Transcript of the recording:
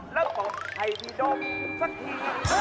แล้วปล่มไพรีดมสักที